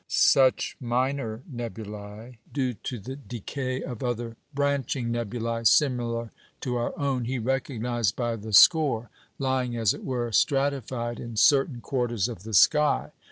Such minor nebulæ, due to the "decay" of other "branching nebulæ" similar to our own, he recognised by the score, lying, as it were, stratified in certain quarters of the sky.